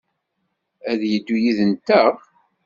Ad d-yeddu yid-nteɣ?